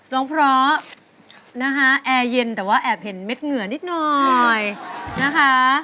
ร้องเพราะนะคะแอร์เย็นแต่ว่าแอบเห็นเม็ดเหงื่อนิดหน่อยนะคะ